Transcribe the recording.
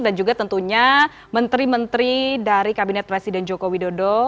dan juga tentunya menteri menteri dari kabinet presiden joko widodo